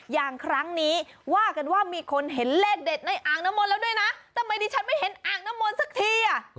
อย่างครั้งนี้ว่ากันว่ามีคนเห็นเลขเด็ดในอ่างน้ำมนต์แล้วด้วยนะทำไมดิฉันไม่เห็นอ่างน้ำมนต์สักทีอ่ะ